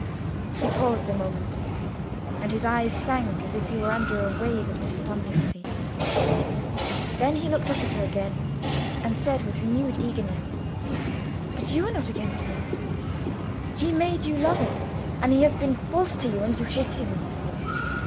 He paused a moment, and his eyes sank as if he were under a wave of despondency. Then he looked up at her again, and said with renewed eagerness—"But you are not against me. He made you love him, and he has been false to you; and you hate him.